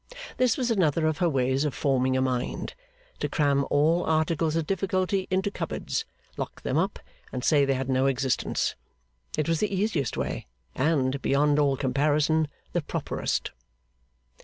This was another of her ways of forming a mind to cram all articles of difficulty into cupboards, lock them up, and say they had no existence. It was the easiest way, and, beyond all comparison, the properest.